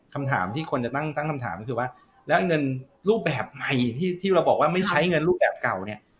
คำถามที่คนจะตั้งคำถามก็คือว่าแล้วเงินรูปแบบใหม่ที่เราบอกว่าไม่ใช้เงินรูปแบบเก่าเนี่ย